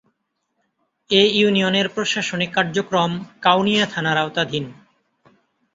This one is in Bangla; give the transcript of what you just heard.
এ ইউনিয়নের প্রশাসনিক কার্যক্রম কাউনিয়া থানার আওতাধীন।